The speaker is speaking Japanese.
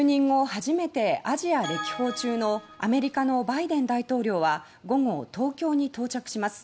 初めてアジア歴訪中のアメリカのバイデン大統領は午後、東京に到着します。